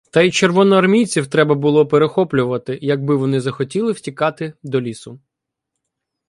Та й червоноармійців треба було перехоплювати, якби вони захотіли втікати до лісу.